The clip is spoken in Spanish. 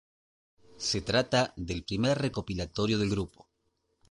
Se trata del primer recopilatorio del grupo.